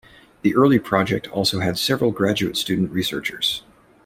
The early project also had several graduate student researchers.